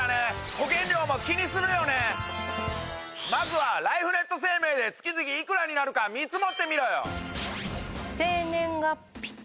まずはライフネット生命で月々いくらになるか見積もってみろよ！